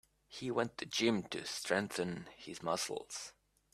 He went to gym to strengthen his muscles.